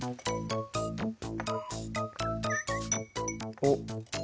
おっ！